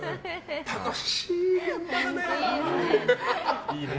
楽しい現場だね。